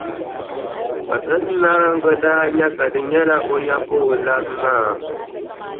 Kpatinariŋga daa nya ka di nyɛla o ya ka o labi maa.